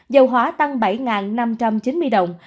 dầu hóa tăng bảy năm trăm chín mươi đồng